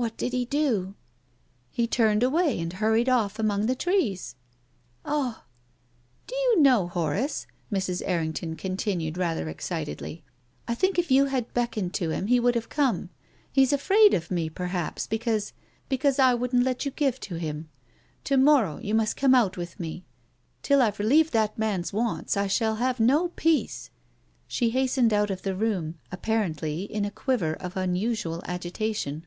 "What did he do?" " He turned away and hurried off among the trees." " Ah !"" Do you know, Horace," Mrs. Errington con tinued rather excitedly, " I think if you had beck oned to him he would have come. He's afraid of me, perhaps, because — because I wouldn't let you give to him. To morrow you must come out with me. Till I've relieved that man's wants I shall have no peace." She hastened out of the room, apparently in a quiver of unusual agitation.